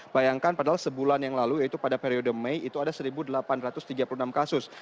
bayangkan padahal sebulan yang lalu yaitu pada periode mei itu ada satu delapan ratus tiga puluh enam kasus